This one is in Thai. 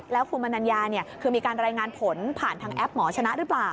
แล้วคุณมนัญญาคือมีการรายงานผลผ่านทางแอปหมอชนะหรือเปล่า